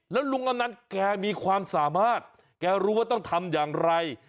แล้วลุงอำนันต์แกมีความสามารถแกรู้ว่าต้องทำอย่างไร